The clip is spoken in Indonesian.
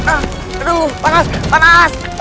aduh panas banget